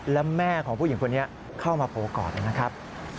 และแม่ของผู้หญิงคนนี้เข้ามาโผล่ก่อนนะครับ